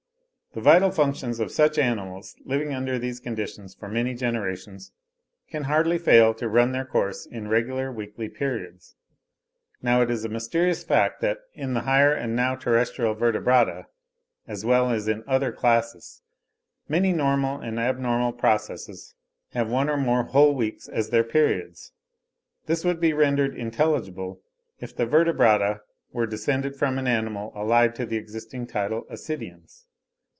The vital functions of such animals, living under these conditions for many generations, can hardly fail to run their course in regular weekly periods. Now it is a mysterious fact that in the higher and now terrestrial Vertebrata, as well as in other classes, many normal and abnormal processes have one or more whole weeks as their periods; this would be rendered intelligible if the Vertebrata are descended from an animal allied to the existing tidal Ascidians.